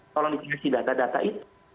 tolong dikasih data data itu